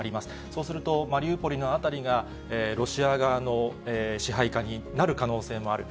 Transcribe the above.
そうするとマリウポリの辺りが、ロシア側の支配下になる可能性もある。